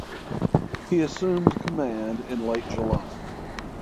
He assumed command in late July.